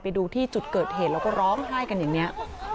ไปดูที่จุดเกิดเหตุแล้วก็ร้องไห้กันอย่างนี้